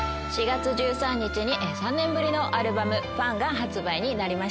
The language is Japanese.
４月１３日に３年ぶりのアルバム『ＦＵＮ』が発売になりました。